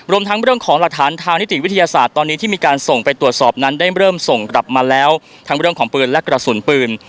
รวมทั้งเรื่องของหลักฐานทางนิติวิทยาศาสตร์ตอนนี้ที่มีการส่งไปตรวจสอบนั้นได้เริ่มส่งกลับมาแล้วทั้งเรื่องของปืนและกระสุนปืน